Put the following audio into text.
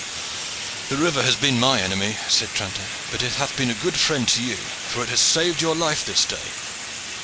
"The river has been my enemy," said Tranter, "but it hath been a good friend to you, for it has saved your life this day."